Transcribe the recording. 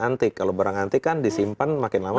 nanti kalau barang antik kan disimpan makin lama